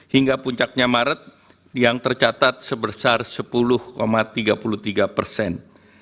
hingga puncaknya maret yang tercatat sebesar sepuluh tiga puluh tiga persen